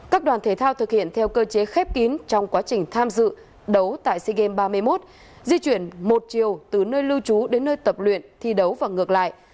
các đoàn thể thao thực hiện theo cơ chế khép kín trong quá trình tham dự đấu tại sea games ba mươi một di chuyển một chiều từ nơi lưu trú đến nơi tập luyện thi đấu và ngược lại